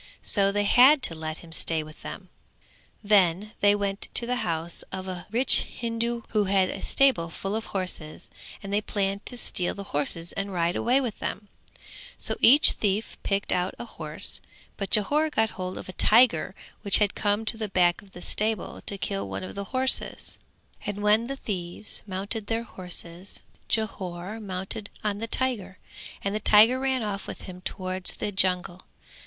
So they had to let him stay with them. Then they went to the house of a rich Hindu who had a stable full of horses and they planned to steal the horses and ride away with them; so each thief picked out a horse, but Jhore got hold of a tiger which had come to the back of the stable to kill one of the horses; and when the thieves mounted their horses, Jhore mounted on the tiger, and the tiger ran off with him towards the jungle.